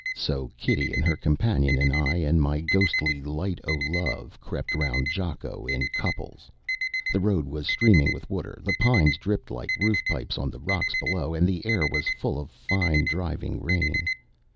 So Kitty and her companion, and I and my ghostly Light o' Love, crept round Jakko in couples. The road was streaming with water; the pines dripped like roof pipes on the rocks below, and the air was full of fine, driving rain.